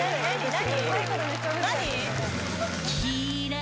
何？